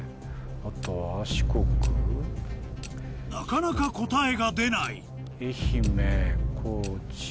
なかなか答えが出ない愛媛高知。